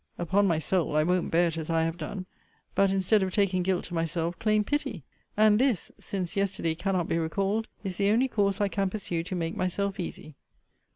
Upon my soul, I won't bear it as I have done; but, instead of taking guilt to myself, claim pity. And this (since yesterday cannot be recalled) is the only course I can pursue to make myself easy.